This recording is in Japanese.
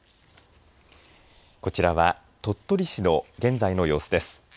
こちらは鳥取市の現在の様子です。